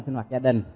sinh hoạt gia đình